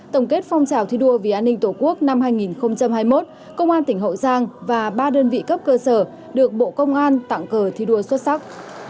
tổng kết phong trào thi đua vì an ninh tổ quốc năm hai nghìn hai mươi một công an tỉnh hậu giang và ba đơn vị cấp cơ sở được bộ công an tặng cờ thi đua xuất sắc